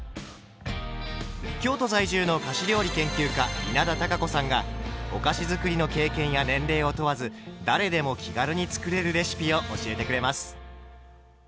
京都在住の菓子料理研究家稲田多佳子さんがお菓子づくりの経験や年齢を問わず誰でも気軽に作れるレシピを教えてくれます。